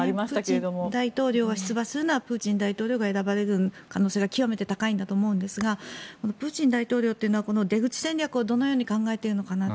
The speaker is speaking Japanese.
プーチン大統領が出馬するならプーチン大統領が選ばれる可能性が極めて高いんだと思いますがプーチン大統領というのは出口戦略をどのように考えているのかなと。